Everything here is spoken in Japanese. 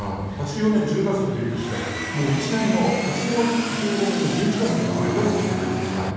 ８４年１０月にデビューして１年後の８５年の１１月にはアメリカ遠征に出てるんですよね。